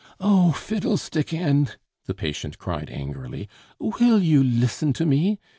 "Oh fiddlestickend!" the patient cried angrily. "Will you listen to me?